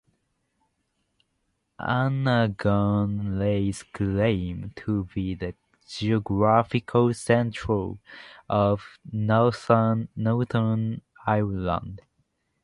Annaghone lays claim to be the geographical centre of Northern Ireland.